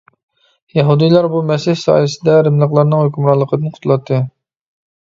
يەھۇدىيلار بۇ مەسىھ سايىسىدە رىملىقلارنىڭ ھۆكۈمرانلىقىدىن قۇتۇلاتتى.